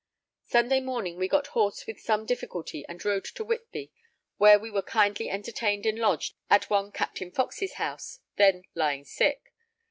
Sunday morning we got horse with some difficulty and rode to Whitby, where we were kindly entertained and lodged at one Captain Foxe's house, then lying sick.